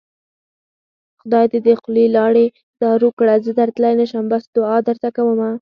خدای دې د خولې لاړې دارو کړه زه درتلی نشم بس دوعا درته کوومه